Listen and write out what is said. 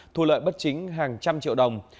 thu lợi bất chính hàng trăm triệu đồng